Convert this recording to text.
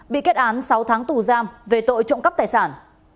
bị kết án sáu tháng tù giam về tội trộm cắp tài sản